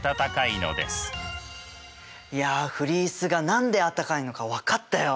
いやフリースが何であったかいのか分かったよ。